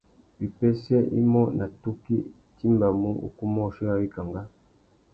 Wipêssê imô nà tukí i timbamú ukúmôchï râ wikangá.